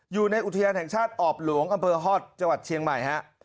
อยู่ในอุทยานแห่งชาติออบหลวงอำเภอฮอตจังหวัดเชียงใหม่ฮะ